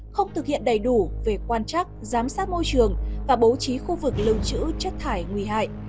không thực hiện đầy đủ về quan trắc giám sát môi trường và bố trí khu vực lưu trữ chất thải nguy hại